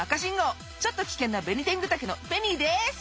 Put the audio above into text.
ちょっと危険なベニテングタケのベニです！